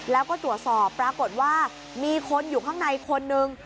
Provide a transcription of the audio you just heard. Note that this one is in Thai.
แล้วก็ตรวจสอบปรากฏว่ามีคนอยู่ข้างในคนนึง